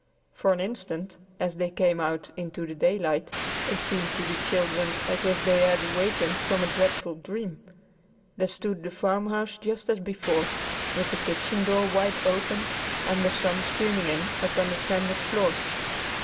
For an instant, as they came out into the daylight, it seemed to the children as if they had awakened from a dreadful dream. There stood the farmhouse just as before, with the kitchen door wide open and the sun streaming in upon the sanded floor.